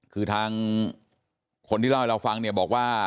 คือทางคนที่เล่าให้เราฟังเนี่ยบอกว่า